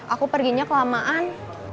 aku perginya kelamaan